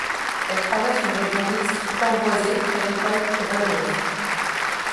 Elle traverse une région mixte, tant boisée, qu'agricole, que vallonneuse.